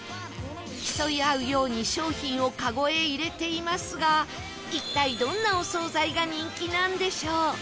競い合うように商品をかごへ入れていますが一体どんなお総菜が人気なんでしょう？